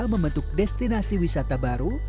membentuk destinasi wisata baru